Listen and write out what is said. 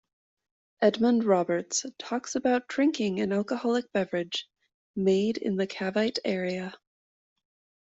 Edmund Roberts talks about drinking an alcoholic beverage made in the Cavite area.